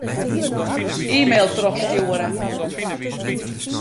E-mail trochstjoere.